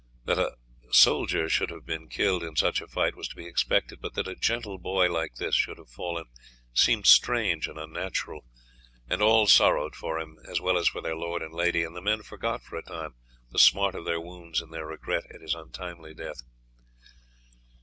That a soldier should have been killed in such a fight was to be expected, but that a gentle boy like this should have fallen seemed strange and unnatural, and all sorrowed for him as well as for their lord and lady, and the men forgot for a time the smart of their wounds in their regret at his untimely death.